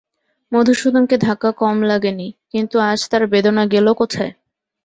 মধুসূদনকে ধাক্কা কম লাগে নি, কিন্তু আজ তার বেদনা গেল কোথায়?